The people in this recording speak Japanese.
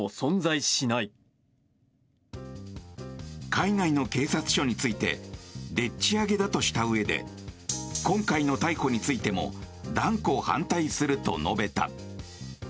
海外の警察署についてでっち上げだとしたうえで今回の逮捕についても断固反対すると述べた。